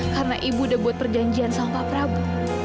karena ibu udah buat perjanjian sama pak prabu